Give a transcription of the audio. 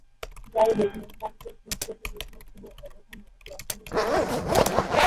যাইহোক, লেব্লাঙ্কের প্রক্রিয়াটি ব্রিটেনে ছিল এখন এটি আসলেই বন্ধ হয়ে গেছে।